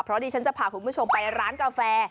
เพราะดิฉันจะพาคุณผู้ชมไปร้านกาแฟ